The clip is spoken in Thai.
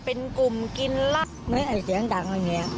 เป็นกลุ่มกลุ่มใช่ไหม